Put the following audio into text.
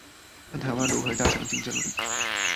看台灣如何加強競爭力